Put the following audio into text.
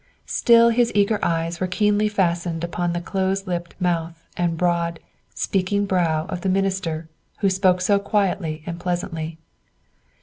Still his eager eyes were keenly fastened upon the close lipped mouth and broad, speaking brow of the minister who spoke so quietly and pleasantly.